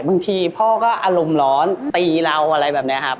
บางทีพ่อก็อารมณ์ร้อนตีเราอะไรแบบนี้ครับ